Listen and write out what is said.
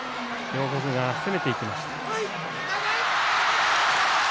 両国が攻めていきました。